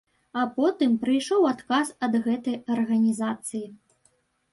А потым прыйшоў адказ ад гэтай арганізацыі.